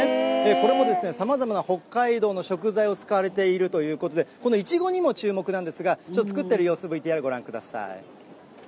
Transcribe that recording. これもさまざまな北海道の食材を使われているということで、このイチゴにも注目なんですが、作っている様子、ＶＴＲ、ご覧ください。